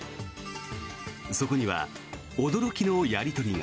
そこには驚きのやり取りが。